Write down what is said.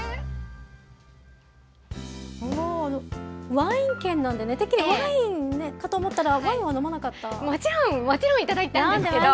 ワイン県なんでね、てっきりワインかと思ったら、ワインは飲もちろん、もちろん頂いたんですけれども。